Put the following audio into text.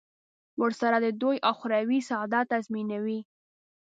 ورسره د دوی اخروي سعادت تضمینوي.